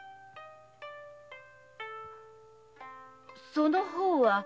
その方は。